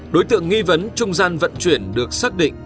đối tượng nghi vấn trung gian vận chuyển được xác định